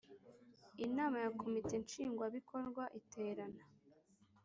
Inama ya Komite Nshingwabikorwa iterana